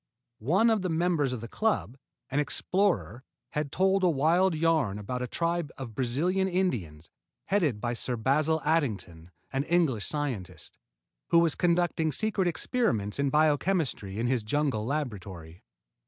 One of the members of the club, an explorer, had told a wild yarn about a tribe of Brazilian Indians, headed by Sir Basil Addington, an English scientist, who was conducting secret experiments in biochemistry in his jungle laboratory.